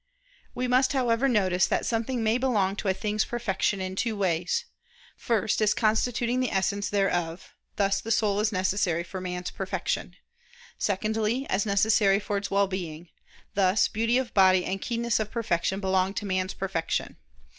We must, however, notice that something may belong to a thing's perfection in two ways. First, as constituting the essence thereof; thus the soul is necessary for man's perfection. Secondly, as necessary for its well being: thus, beauty of body and keenness of perfection belong to man's perfection.